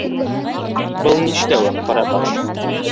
- Был нишләүең, Ҡарабаш.